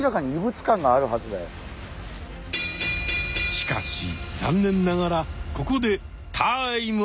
しかし残念ながらここでタイムアップ。